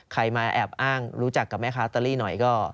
ใครมาแอบอ้างรู้จักกับแม่ค้าลอตเตอรี่หน่อยก็